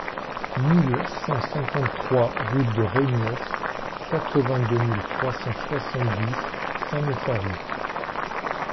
mille cent cinquante-trois route de Reyniès, quatre-vingt-deux mille trois cent soixante-dix Saint-Nauphary